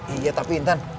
iya tapi intan